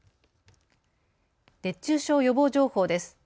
熱中症予防情報です。